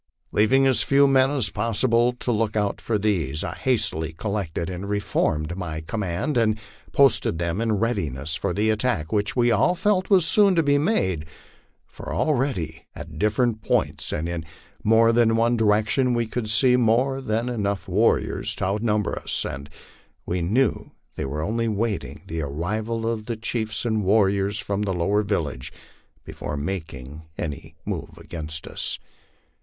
Leaving as few men as possible to look out for these, I hastily collected and reformed my command, and posted them in readiness for the attack which we all felt was soon to be made; for already at different points and in more than one direction we could see more than enough warriors to outnumber us, and we knew they were only waiting the arrival of the chiefs and warriors from the lower villages before making any move against us.